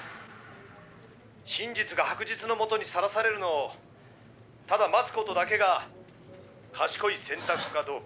「真実が白日の下に晒されるのをただ待つ事だけが賢い選択かどうか」